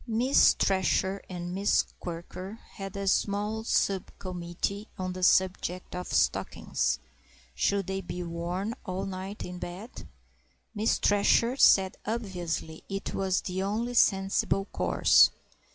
Miss Thresher and Miss Quirker had a small sub committee on the subject of stockings—should they be worn all night in bed? Miss Thresher said obviously it was the only sensible course.